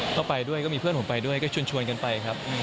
ก็ไปด้วยก็มีเพื่อนผมไปด้วยก็ชวนกันไปครับ